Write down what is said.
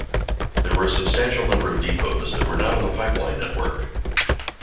There were a substantial number of depots that were not on the pipeline network.